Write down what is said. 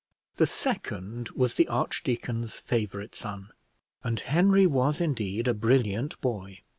The second was the archdeacon's favourite son, and Henry was indeed a brilliant boy.